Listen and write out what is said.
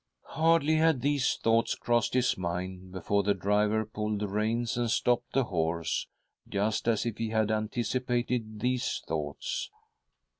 Hardly had these thoughts crossed his mind before the driver pulled the reins and stopped the horse, just as if he had anticipated these thoughts.